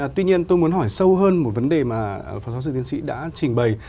tuy nhiên tôi muốn hỏi sâu hơn một vấn đề mà phó giáo sư tiến sĩ đã trình bày